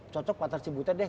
cocok padahal si butet deh